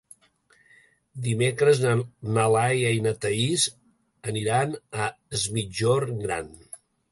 Dimecres na Laia i na Thaís aniran a Es Migjorn Gran.